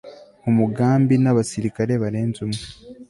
umugambi n abasirikare barenze umwe